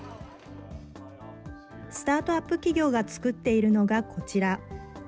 スタートアップ企業が作っているのがこちら。